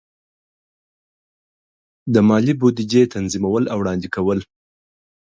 د مالی بودیجې تنظیمول او وړاندې کول.